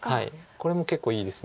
これも結構いいです。